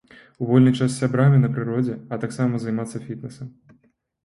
У вольны час з сябрамі на прыродзе, а таксама займаецца фітнэсам.